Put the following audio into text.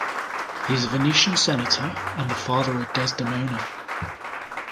He is a Venetian senator and the father of Desdemona.